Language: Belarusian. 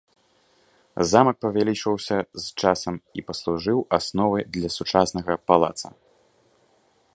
Замак павялічваўся з часам і паслужыў асновай для сучаснага палаца.